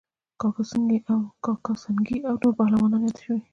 کاکه سنگی او نور پهلوانان یاد شوي